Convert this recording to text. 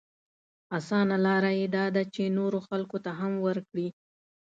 اسانه لاره يې دا ده چې نورو خلکو ته هم ورکړي.